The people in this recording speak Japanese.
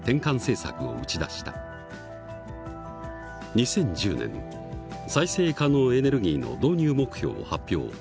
２０１０年再生可能エネルギーの導入目標を発表。